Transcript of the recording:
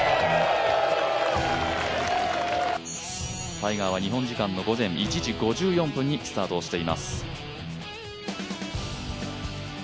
タイガーは日本時間の午前１時５４分にスタートをしています。